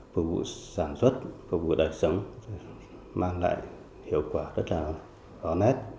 phục vụ sản xuất phục vụ đời sống mang lại hiệu quả rất là rõ nét